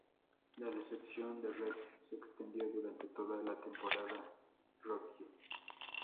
La decepción de Redd se extendió durante toda la temporada rookie.